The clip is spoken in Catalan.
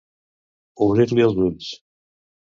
Obrir-li els ulls.